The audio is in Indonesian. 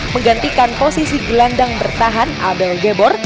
menggantikan posisi gelandang bertahan abel gebor